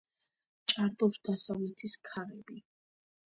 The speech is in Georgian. ჭარბობს დასავლეთის ქარები.